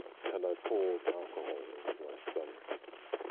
And I poured alcohol into my stomach.